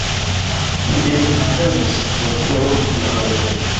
Mi mem malfermos, por kio rompi la pordon?